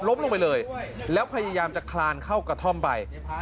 ลงไปเลยแล้วพยายามจะคลานเข้ากระท่อมไป